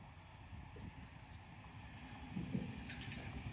To je velkolepé.